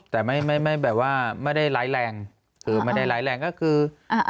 แต่ไม่แบบว่าไม่ได้ไร้แรงคือไม่ได้ไร้แรงก็คือ